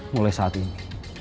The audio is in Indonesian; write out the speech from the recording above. mulai saat ini